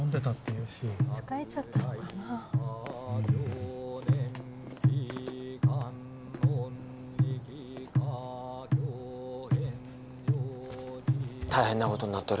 ・うん大変なことになっとる